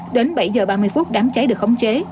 đến bảy h ba mươi phút đám cháy được khống chế